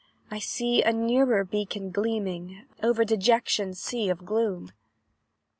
I see a nearer beacon gleaming Over dejection's sea of gloom.